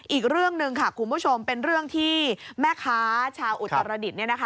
อีกเรื่องหนึ่งค่ะคุณผู้ชมเป็นเรื่องที่แม่ค้าชาวอุตรดิษฐ์